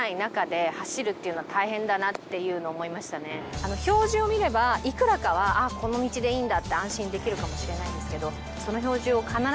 いやあ標示を見ればいくらかはこの道でいいんだって安心できるかもしれないんですけど